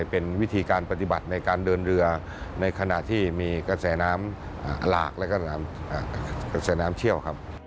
เป็นวิธีการปฏิบัติในการเดินเรือในขณะที่มีกระแสน้ำหลากแล้วก็กระแสน้ำเชี่ยวครับ